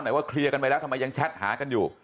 ว่าเคลียร์กันไปแล้วทำไมยังแชทหากันอยู่